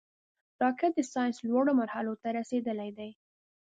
راکټ د ساینس لوړو مرحلو ته رسېدلی دی